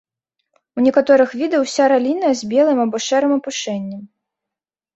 У некаторых відаў уся раліна з белым або шэрым апушэннем.